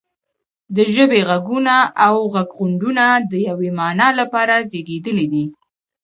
د ژبې غږونه او غږغونډونه د یوې معنا لپاره زیږیدلي دي